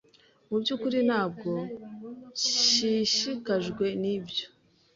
Mu byukuri ntabwo nshishikajwe nibyo.